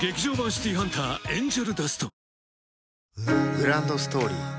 グランドストーリー